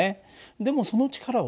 でもその力をね